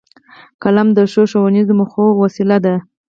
قلم د ښو ښوونیزو موخو وسیله ده